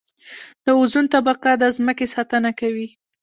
د اوزون طبقه د ځمکې ساتنه کوي